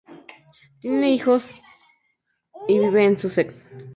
Tiene tres hijos y vive en Sussex.